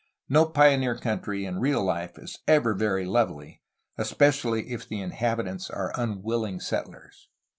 No pioneer country in real life is ever very lovely, especially if the inhabitants are unwilling settlers.